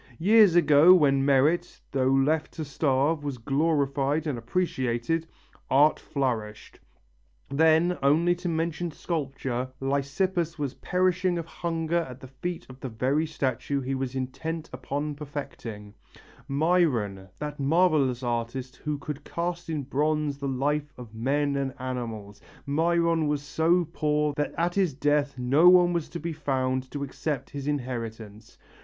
Years ago when merit, though left to starve, was glorified and appreciated, art flourished.... Then, only to mention sculpture, Lysippus was perishing of hunger at the feet of the very statue he was intent upon perfecting; Myron, that marvellous artist who could cast in bronze the life of men and animals, Myron was so poor that at his death no one was to be found to accept his inheritance.